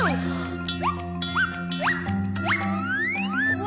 うわ！